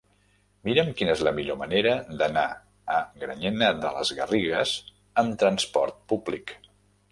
Mira'm quina és la millor manera d'anar a Granyena de les Garrigues amb trasport públic.